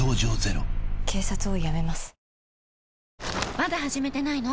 まだ始めてないの？